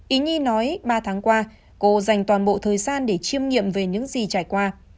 ý nghi nói ba tháng qua cô dành toàn bộ thời gian để chiêm nghiệm về những gì trải qua